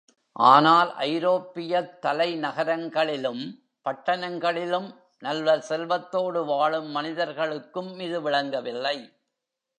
ஆனால் ஐரோப்பியத் தலை நகரங்களிலும், பட்டணங்களிலும் நல்ல செல்வத்தோடு வாழும் மனிதர்களுக்கும் இது விளங்கவில்லை.